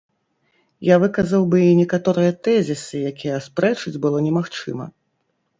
Я выказаў бы некаторыя тэзісы, якія аспрэчыць было немагчыма.